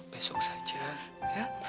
besok saja ya